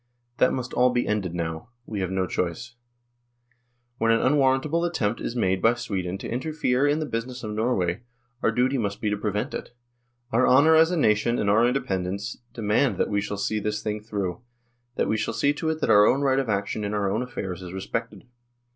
That must all be ended now we have no choice. When an unwarrantable attempt is made by Sweden to interfere in the business of Norway, our duty must be to prevent it; our honour as a nation and our independence demand that we shall see this thing through, that we shall see to it that our own right of action in our own affairs is respected.